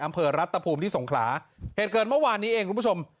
อำเภอรัฐภูมิที่สงขลาเหตุเกิดเมื่อวานนี้เองคุณผู้ชม